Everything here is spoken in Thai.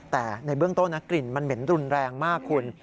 แต่ในเบื้องต้นนะกลิ่นมันเหม็นรุนแรงมากคุณ